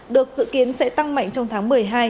được dự kiến sẽ tăng mạnh trong tháng một mươi hai